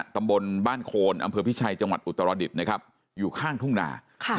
ตำบลบ้านโคนอำเภอพิชัยอยู่ข้างทุ่งหนา